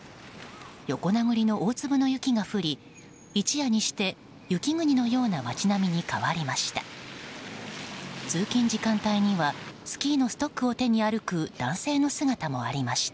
横殴りの大粒の雪が降り一夜にして雪国のような街並みに変わりました。